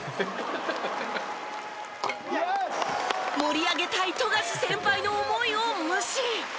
盛り上げたい富樫先輩の思いを無視。